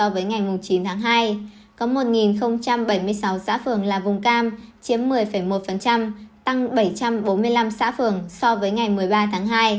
với ngày chín tháng hai có một bảy mươi sáu xã phường là vùng cam chiếm một mươi một tăng bảy trăm bốn mươi năm xã phường so với ngày một mươi ba tháng hai